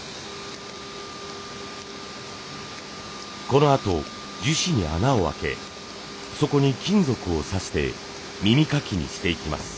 このあと樹脂に穴を開けそこに金属をさして耳かきにしていきます。